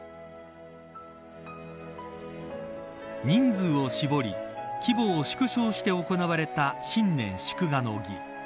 人数を絞り規模を縮小して行われた新年祝賀の儀。